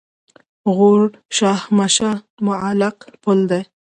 د غور شاهمشه معلق پل دی